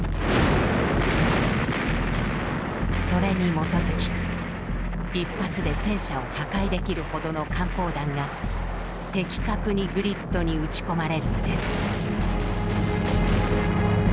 それに基づき一発で戦車を破壊できるほどの艦砲弾が的確にグリッドに撃ち込まれるのです。